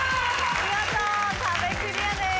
見事壁クリアです。